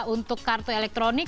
untuk kartu elektronik